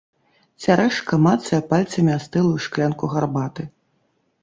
Цярэшка мацае пальцамі астылую шклянку гарбаты.